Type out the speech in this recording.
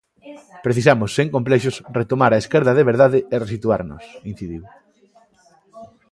"Precisamos, sen complexos, retomar a esquerda de verdade e resituarnos", incidiu.